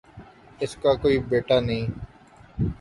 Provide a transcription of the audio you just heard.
اس کا کوئی بیٹا نہیں